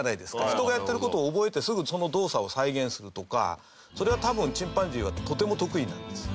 人がやってる事を覚えてすぐ、その動作を再現するとかそれは多分、チンパンジーはとても得意なんです。